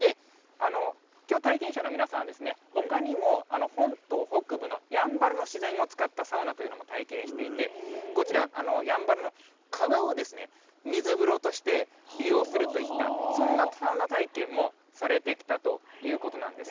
きょう、体験者の皆さんはほかにも本島北部のやんばるの自然を使ったサウナというのも体験していて、こちら、やんばるの川を水風呂として利用するといった、そんなサウナ体験もされてきたということなんです。